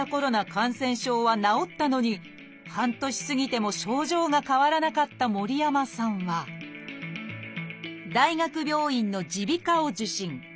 感染症は治ったのに半年過ぎても症状が変わらなかった森山さんは大学病院の耳鼻科を受診。